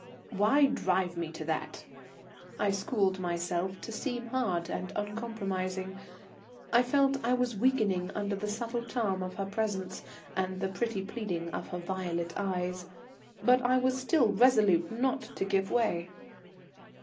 "Why drive me to that?" I schooled myself to seem hard and uncompromising. I felt I was weakening under the subtle charm of her presence, and the pretty pleading of her violet eyes; but I was still resolute not to give way.